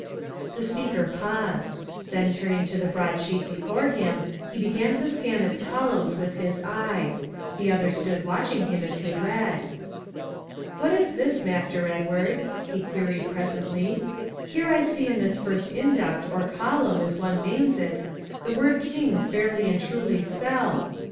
The speaker paused. Then turning to the broad sheet before him, he began to scan its columns with his eye. The others stood watching him as he read. "What is this, Master Edward," he queried presently, "here I see in this first induct, or column, as one names it, the word King fairly and truly spelled.